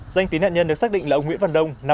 danh tín nạn nhân được xác định là ông nguyễn văn đông